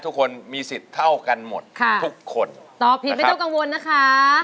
ทุกคนมีสิทธิ์เท่ากันหมดค่ะทุกคนตอบผิดไม่ต้องกังวลนะคะ